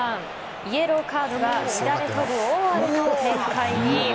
イエローカードが乱れ飛ぶ大荒れの展開に。